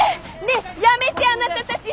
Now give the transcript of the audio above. ねえやめてあなたたち！